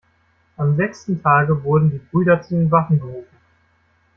Am sechsten Tage wurden die Brüder zu den Waffen gerufen.